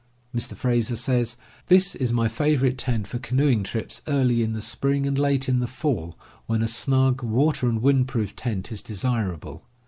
Mr. Frazer says: "This is my favorite tent for canoeing trips early in the spring and late in the fall, when a snug water and wind proof tent is desirable.